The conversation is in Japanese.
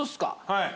はい。